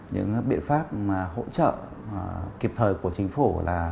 những biện pháp hỗ trợ kịp thời của chính phủ